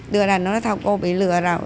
tựa là nó nói thằng cô bị lừa rồi